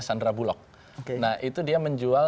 sandra bulog nah itu dia menjual